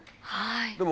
はい。